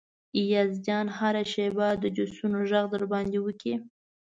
ایاز جان هره شیبه د جوسو غږ در باندې وکړي.